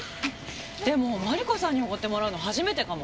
でもマリコさんにおごってもらうの初めてかも。